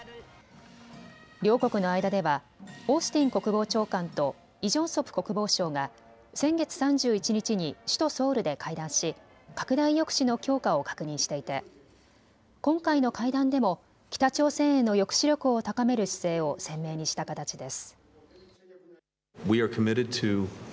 両国の間ではオースティン国防長官とイ・ジョンソプ国防相が先月３１日に首都ソウルで会談し拡大抑止の強化を確認していて今回の会談でも北朝鮮への抑止力を高める姿勢を鮮明にした形です。